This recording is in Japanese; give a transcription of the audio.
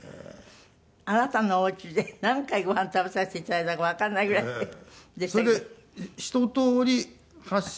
あなたのお家で何回ご飯食べさせて頂いたかわかんないぐらいでしたけど。